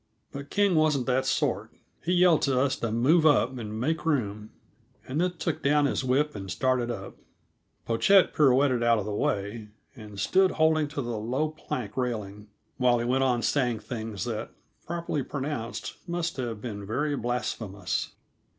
But King wasn't that sort; he yelled to us to move up and make room, and then took down his whip and started up. Pochette pirouetted out of the way, and stood holding to the low plank railing while he went on saying things that, properly pronounced, must have been very blasphemous.